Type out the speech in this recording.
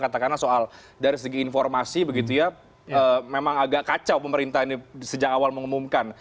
katakanlah soal dari segi informasi begitu ya memang agak kacau pemerintah ini sejak awal mengumumkan